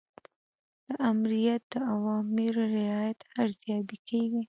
د آمریت د اوامرو رعایت ارزیابي کیږي.